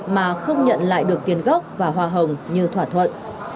mà không nhận lại được tiền gốc và hoa hồng như thỏa thuận